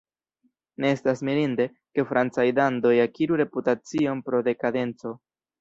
Ne estas mirinde, ke francaj dandoj akiru reputacion pro dekadenco.